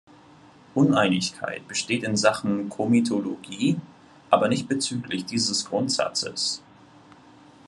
Uneinigkeit besteht in Sachen Komitologie, aber nicht bezüglich dieses Grundsatzes.